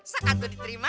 sekat itu diterima